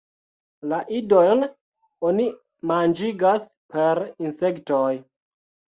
La idojn oni manĝigas per insektoj.